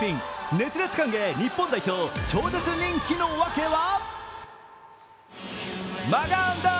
熱烈歓迎、日本代表、超絶人気のわけは？